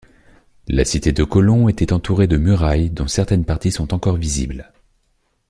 La cité de Kaulon était entourée de murailles dont certaines parties sont encore visibles.